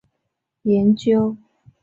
谭纶对军事甚有研究。